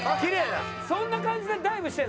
そんな感じでダイブしてるの？